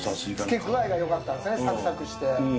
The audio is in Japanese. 漬けぐあいがよかったんですねサクサクして。